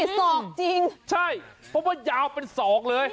ศอกจริงใช่เพราะว่ายาวเป็นศอกเลย